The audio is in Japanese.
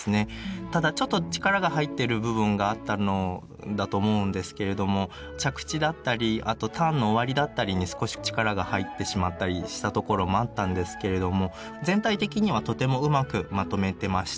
ただちょっと力が入ってる部分があったのだと思うんですけれども着地だったりあとターンの終わりだったりに少し力が入ってしまったりしたところもあったんですけれども全体的にはとてもうまくまとめてました。